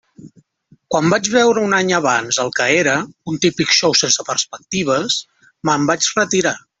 Quan vaig veure un any abans el que era, un típic xou sense perspectives, me'n vaig retirar.